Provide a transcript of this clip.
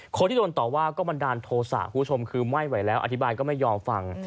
คนที่โดนต่อว่าก็บันดาลโทษะคุณผู้ชมคือไม่ไหวแล้วอธิบายก็ไม่ยอมฟัง